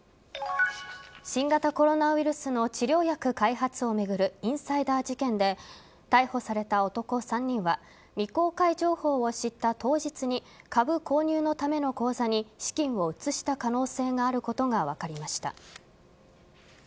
新型コロナウイルスの治療薬開発を巡るインサイダー事件で逮捕された男３人は未公開情報を知った当日に株購入のための口座に資金を移した可能性があることが分かりました。